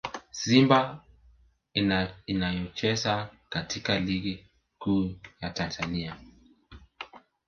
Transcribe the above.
Simba inayocheza katika Ligi Kuu ya Tanzania